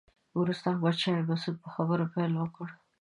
وروسته احمد شاه مسعود په خبرو پیل وکړ.